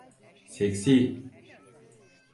Seksi.